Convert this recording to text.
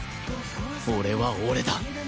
俺は俺だ